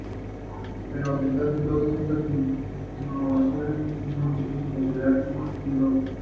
Durante su crecimiento varían su coloración en esta gama.